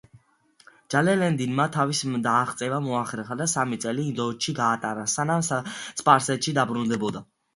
ჯალალედინმა თავის დაღწევა მოახერხა და სამი წელი ინდოეთში გაატარა, სანამ სპარსეთში დაბრუნდებოდა.